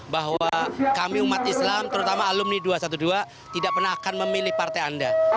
bahwa kami umat islam terutama alumni dua ratus dua belas tidak pernah akan memilih partai anda